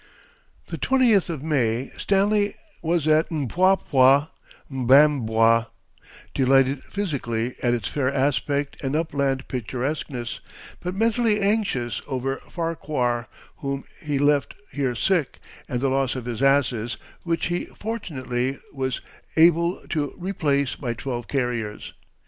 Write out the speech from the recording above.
The 20th of May, Stanley was at Mpwapwa (Mbambwa), delighted physically at its fair aspect and upland picturesqueness, but mentally anxious over Farquhar, whom he left here sick, and the loss of his asses, which he fortunately was able to replace by twelve carriers.